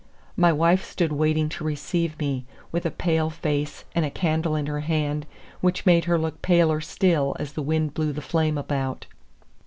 My wife stood waiting to receive me, with a pale face, and a candle in her hand, which made her look paler still as the wind blew the flame about.